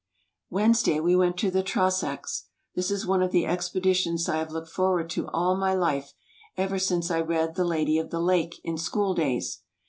Wednesday we went to the Trossachs. This is one of the expeditions I have looked forward to all my life, ever since I read "The Lady of the Lake" in schooldays.